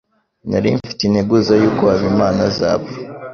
Nari mfite integuza yuko Habimana azapfa.